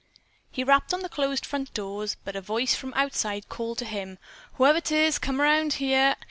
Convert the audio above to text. He rapped on the closed front door, but a voice from outside called to him. "Whoever 'tis, come around here.